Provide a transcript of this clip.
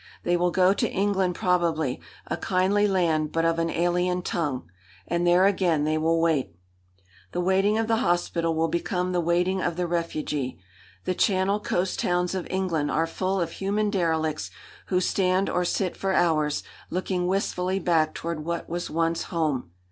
They will go to England probably a kindly land but of an alien tongue. And there again they will wait. The waiting of the hospital will become the waiting of the refugee. The Channel coast towns of England are full of human derelicts who stand or sit for hours, looking wistfully back toward what was once home.